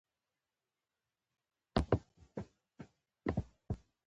د شونډو د توروالي لپاره کوم اسکراب وکاروم؟